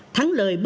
thắng lời bước đầu